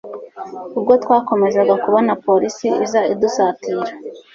Ubwo twakomezaga kubona police iza idusatira